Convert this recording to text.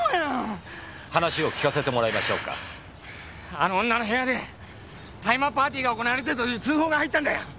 あの女の部屋で大麻パーティーが行われているという通報が入ったんだよ。